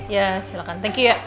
ya silakan thank you ya